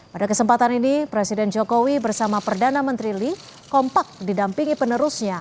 pada kesempatan ini presiden jokowi bersama perdana menteri lee kompak didampingi penerusnya